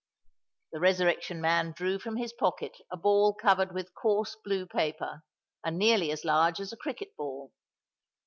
The Resurrection Man drew from his pocket a ball covered with coarse blue paper, and nearly as large as a cricket ball.